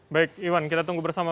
baik iwan kita tunggu bersama